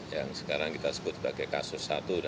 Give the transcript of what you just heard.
yang sekarang kita sebut sebagai kasus satu